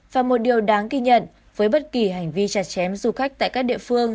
và một điều đáng ghi nhận với bất kỳ hành vi chặt chém du khách tại các địa phương